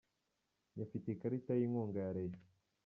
Njye mfite ikarita y'inkunga ya Rayon.